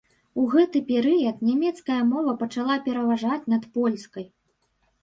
У гэты перыяд нямецкая мова пачала пераважаць над польскай.